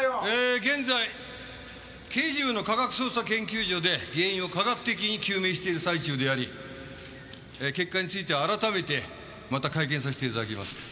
えー現在刑事部の科学捜査研究所で原因を科学的に究明している最中であり結果については改めてまた会見させて頂きます。